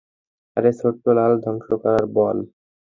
আরে, ছোট্ট লাল ধ্বংস করার বল।